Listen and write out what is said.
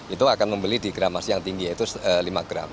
itu akan membeli di gramasi yang tinggi yaitu lima gram